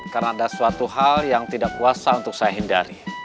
karena ada suatu hal yang tidak kuasa untuk saya hindari